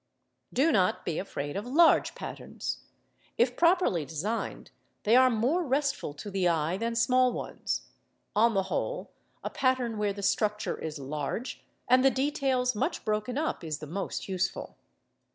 Do not be afraid of large patterns; if properly designed they are more restful to the eye than small ones: on the whole, a pattern where the structure is large and the details much broken up is the most useful.